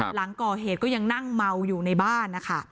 หลังก่อเหตุก็ยังนั่งเมาอยู่ในบ้านนะคะ